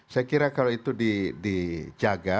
saya kira kalau itu dijaga